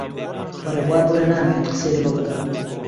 بە ڕێبوار بڵێ نامەوێت قسەی لەگەڵ بکەم.